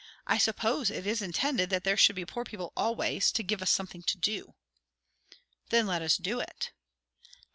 "I suppose it is intended that there should be poor people always, to give us something to do." "Then let us do it."